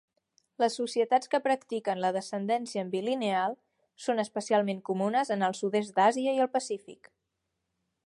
Les societats que practiquen la descendència ambilineal són especialment comunes en el sud-est d'Àsia i el Pacífic.